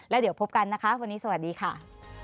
แล้วเดี๋ยวพบกันนะคะวันนี้สวัสดีค่ะ